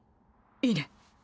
いいね？